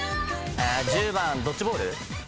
１０番ドッジボール？